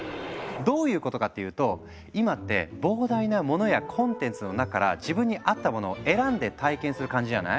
どういうことかっていうと今って膨大なモノやコンテンツの中から自分に合ったものを選んで体験する感じじゃない？